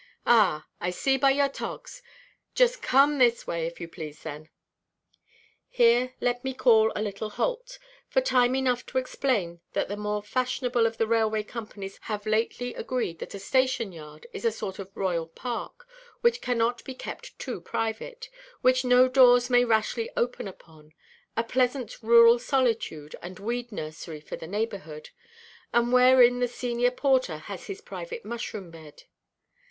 Ah, I see by your togs. Just come this way, if you please, then." Here let me call a little halt, for time enough to explain that the more fashionable of the railway companies have lately agreed that a station–yard is a sort of royal park, which cannot be kept too private, which no doors may rashly open upon, a pleasant rural solitude and weed–nursery for the neighbourhood, and wherein the senior porter has his private mushroom–bed.